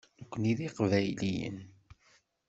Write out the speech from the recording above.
Nekkni d Iqbayliyen.